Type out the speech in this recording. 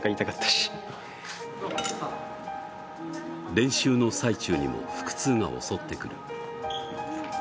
練習の最中にも腹痛が襲ってくる。